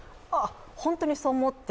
本当にそう思って。